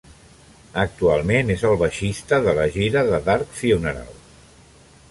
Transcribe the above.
Actualment és el baixista de la gira de Dark Funeral.